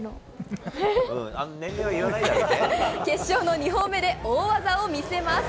決勝の２本目で大技を見せます。